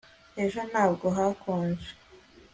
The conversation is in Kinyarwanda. ejo ntabwo hakonje